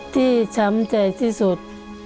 ช้ำใจที่สุด